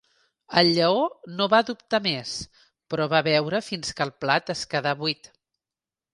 El Lleó no va dubtar més, però va beure fins que el plat es quedà buit.